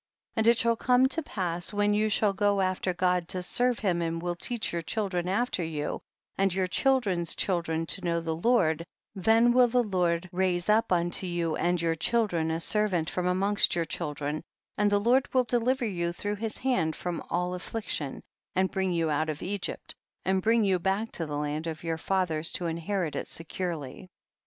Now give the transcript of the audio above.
21. And it shall come tb pass when you shall go after God to serve him and will teach your children after you, and your children's children, to know the Lord, then will the Lord raise up unto you and your children a servant from amongst your chil dren, and the Lord will deliver you through his hand from all affliction, and bring you out of Egypt and bring you back to the land of your fathers to inherit it securely.